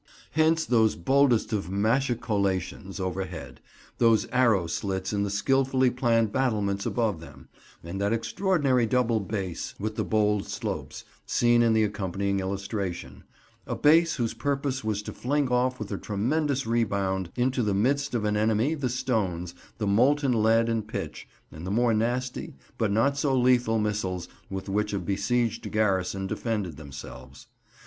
Hence those boldest of machicolations overhead, those arrow slits in the skilfully planned battlements above them, and that extraordinary double base with the bold slopes, seen in the accompanying illustration; a base whose purpose was to fling off with a tremendous rebound into the midst of an enemy the stones, the molten lead and pitch, and the more nasty, but not so lethal missiles with which a besieged garrison defended themselves.